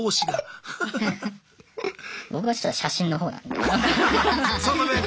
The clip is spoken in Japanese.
僕はちょっと写真のほうなんで。